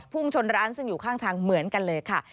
ชนร้านซึ่งอยู่ข้างทางเหมือนกันเลยค่ะ